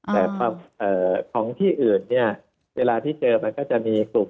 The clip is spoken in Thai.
แต่ของที่อื่นเนี่ยเวลาที่เจอมันก็จะมีกลุ่ม